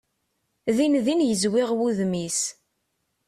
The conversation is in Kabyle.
Din din yezwiɣ wudem-is.